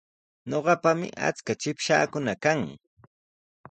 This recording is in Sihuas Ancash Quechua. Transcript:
Ñuqapami achka chipshaakuna kan.